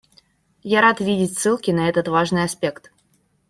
Я рад видеть ссылки на этот важный аспект.